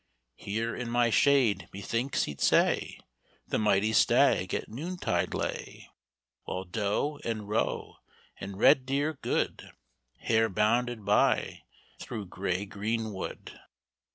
Here in my shade, methinks he'd say, The mighty stag at noontide lay, While doe, and roe, and red deer good, Hare bounded by through gay green wood."